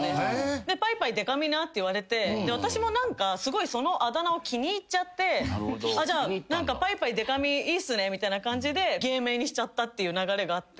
ぱいぱいでか美なって言われて私も何かすごいそのあだ名を気に入っちゃってぱいぱいでか美いいっすねみたいな感じで芸名にしちゃったっていう流れがあって。